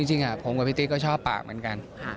จริงผมกับพี่ติ๊กก็ชอบปากเหมือนกัน